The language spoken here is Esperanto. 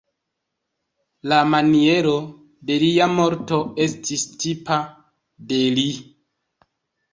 La maniero de lia morto estis tipa de li.